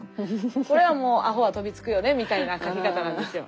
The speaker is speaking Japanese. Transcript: これはもうアホは飛びつくよねみたいな書き方なんですよ。